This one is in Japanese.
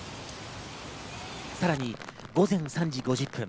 さらに、午前３時５０分。